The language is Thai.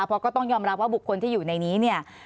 เพราะก็ต้องยอมรับว่าบุคคลที่อยู่ในนี้เนี่ย